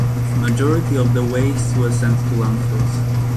Majority of the waste were sent to landfills.